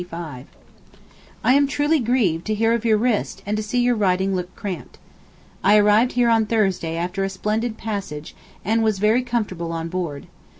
I am truly grieved to hear of your wrist and to see your writing look cramped. I arrived here on Thursday after a splendid passage and was very comfortable on board.